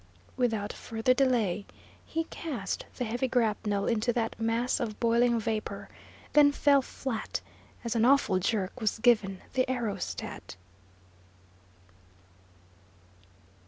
Without further delay, he cast the heavy grapnel into that mass of boiling vapour, then fell flat, as an awful jerk was given the aerostat.